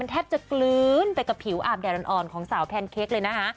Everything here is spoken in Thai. แทบจะกลื้นไปกับผิวอาบแดดอ่อนของสาวแพนเค้กเลยนะคะ